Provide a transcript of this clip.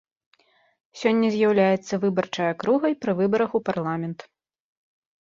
Сёння з'яўляецца выбарчай акругай пры выбарах у парламент.